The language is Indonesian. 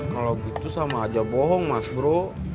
kalau gitu sama aja bohong mas bro